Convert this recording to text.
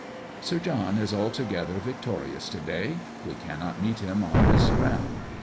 Sir John is altogether victorious to day. We cannot meet him on this ground.